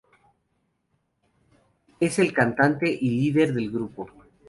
Es el cantante y líder del grupo.